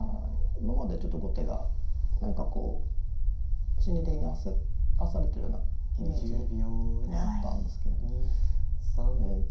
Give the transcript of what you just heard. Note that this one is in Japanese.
今までちょっと後手が何かこう心理的に焦らされてるようなイメージがあったんですけれどええ